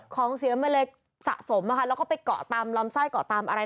ของเสียมันเลยสะสมแล้วก็ไปเกาะตามลำไส้เกาะตามอะไร